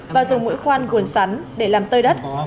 và dùng mũi khoan gồm sắn để làm tơi đất